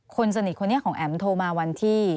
คนสนิทคนนี้ของแอ๋มโทรมาวันที่